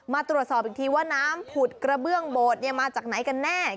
มาตรวจสอบอีกทีว่าน้ำผุดกระเบื้องโบดมาจากไหนกันแน่